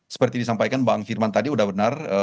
seperti disampaikan bang firman tadi sudah benar